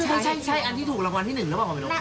อ๋อแล้วใช่ใช่ใช่อันที่ถูกรางวัลที่หนึ่งแล้วหรือเปล่า